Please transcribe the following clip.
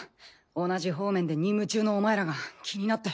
同じ方面で任務中のお前らが気になって。